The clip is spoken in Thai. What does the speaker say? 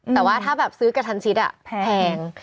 แต่ว่าถ้าแบบซื้อกระทันชิดแพง